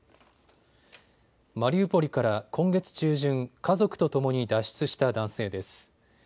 マリウポリから今月中旬、家族とともに脱出した男性です。